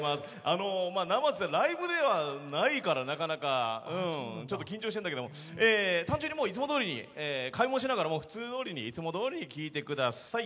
あの生っつうかライブではないからなかなかうんちょっと緊張してんだけどもえ単純にいつもどおりに買い物しながら普通どおりにいつもどおりに聴いてください